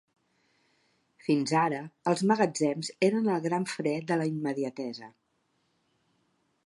Fins ara, els magatzems eren el gran fre de la immediatesa.